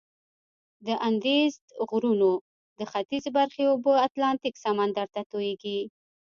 د اندیزد غرونو د ختیځي برخې اوبه اتلانتیک سمندر ته تویږي.